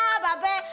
ah pak be